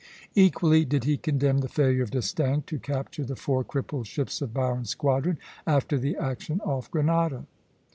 Equally did he condemn the failure of D'Estaing to capture the four crippled ships of Byron's squadron, after the action off Grenada.